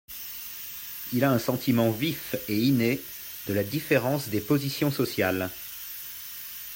Il a un sentiment vif et inné de la différence des positions sociales.